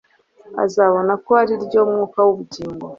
azabona ko ari ryo mwuka n'ubugingo.